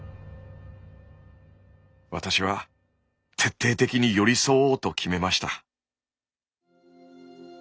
私は徹底的に寄り添おうと決めました。